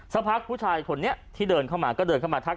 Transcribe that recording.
สักพักผู้ชายที่เขาเดินมาก็ทักทายกัน